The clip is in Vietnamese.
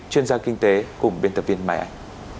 chuyên gia kinh tế cùng biên tập viên mai anh